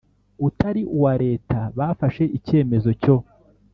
utari uwa Leta bafashe icyemezo cyo